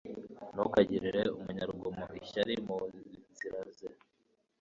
ntukagirire umunyarugomo ishyari mu nzira ze